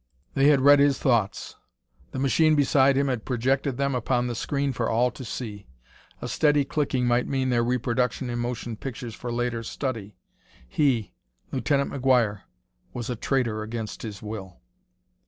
They had read his thoughts; the machine beside him had projected them upon the screen for all to see; a steady clicking might mean their reproduction in motion pictures for later study! He, Lieutenant McGuire, was a traitor against his will!